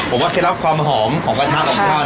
ผมว่าเคล็ดรับความหอมของกระทะของพี่ป้อง